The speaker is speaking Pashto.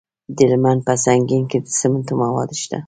د هلمند په سنګین کې د سمنټو مواد شته.